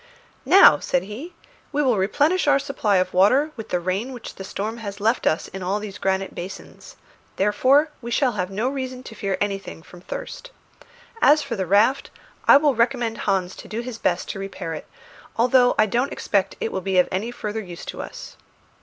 "Now," said he, "we will replenish our supply of water with the rain which the storm has left in all these granite basins; therefore we shall have no reason to fear anything from thirst. As for the raft, I will recommend Hans to do his best to repair it, although I don't expect it will be of any further use to us."